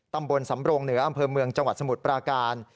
ตำบลสำโรงเหนืออำเภอเมืองจังหวัดสมุทรปราการ